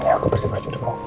aku bersih bersih dulu